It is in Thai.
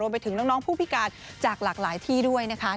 ไปถึงน้องผู้พิการจากหลากหลายที่ด้วยนะคะ